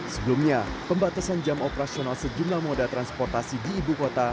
sebelumnya pembatasan jam operasional sejumlah moda transportasi di ibu kota